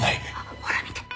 ほら見て。